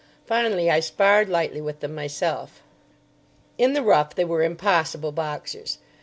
Finally, I sparred lightly with them myself. In the rough they were impossible boxers.